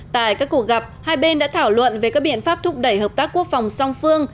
tại các cuộc gặp hai bên đã thảo luận về các biện pháp thúc đẩy hợp tác quốc phòng song phương